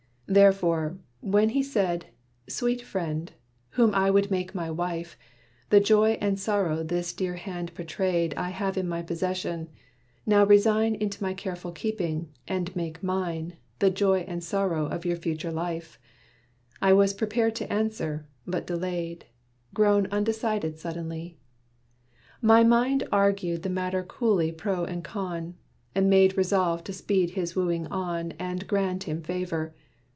Therefore, when He said, "Sweet friend, whom I would make my wife, The 'Joy' and 'Sorrow' this dear hand portrayed I have in my possession: now resign Into my careful keeping, and make mine, The joy and sorrow of your future life," I was prepared to answer, but delayed, Grown undecided suddenly. My mind Argued the matter coolly pro and con, And made resolve to speed his wooing on And grant him favor.